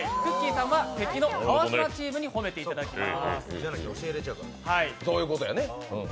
さんは敵の川島チームに褒めていただきます。